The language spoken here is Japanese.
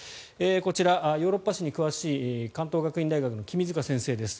こちら、ヨーロッパ史に詳しい関東学院大学の君塚先生です。